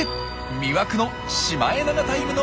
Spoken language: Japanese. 魅惑のシマエナガタイムの。